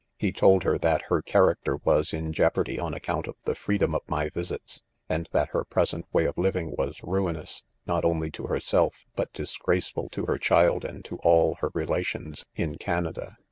He told her that her character was in jeopardy on account of the freedom of my visits ; and 'that'her present way of living was ruinous, not only to her° self, but disgraceful to her child and to all her relations in Canada.